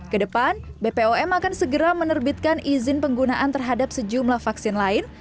kedepan bpom akan segera menerbitkan izin penggunaan terhadap sejumlah vaksin lain